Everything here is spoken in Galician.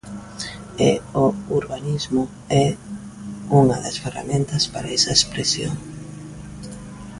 E o urbanismo é unha das ferramentas para esa expresión.